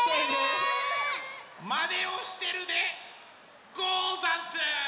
まねをしてるでござんす！